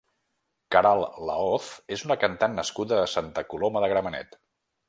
Queralt Lahoz és una cantant nascuda a Santa Coloma de Gramenet.